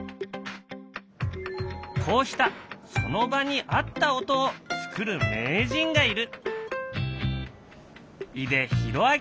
こうしたその場にあった音を作る名人がいる。